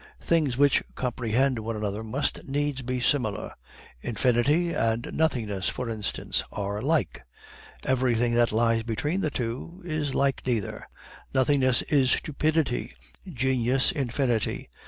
Things which comprehend one another must needs be similar. Infinity and Nothingness, for instance, are like; everything that lies between the two is like neither. Nothingness is stupidity; genius, Infinity.